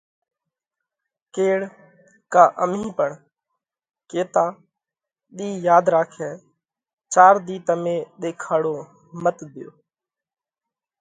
ڪيڙ ڪا امهين پڻ ڪتا ۮِي ياڌ راکئه؟ چار ۮِي تمي ۮيکاڙو مت ۮيو،